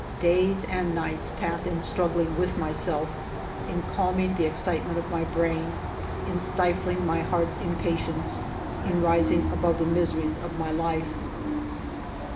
Days and nights pass in struggling with myself, in calming the ex citement of my brain, in stifling my heart's impa tience, in rising above the miseries of my life.